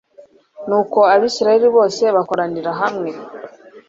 nuko abayisraheli bose bakoranira hamwe